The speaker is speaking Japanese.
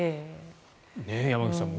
山口さん